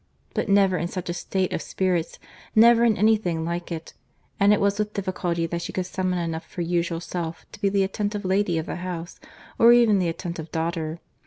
—But never in such a state of spirits, never in any thing like it; and it was with difficulty that she could summon enough of her usual self to be the attentive lady of the house, or even the attentive daughter.